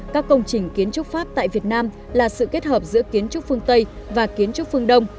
các công trình kiến trúc pháp tại việt nam là sự kết hợp giữa kiến trúc phương tây và kiến trúc phương đông